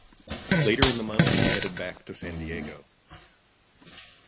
Later in the month, she headed back to San Diego.